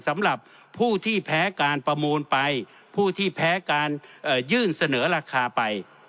สำหรับผู้ที่แพ้การประมูลไปผู้ที่แพ้การยื่นเสนอราคาไป